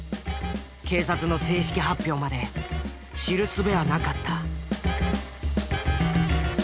警察の正式発表まで知るすべはなかった。